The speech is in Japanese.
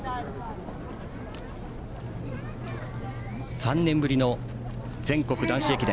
３年ぶりの全国男子駅伝。